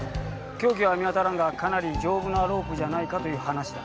凶器は見当たらんがかなり丈夫なロープじゃないかという話だ。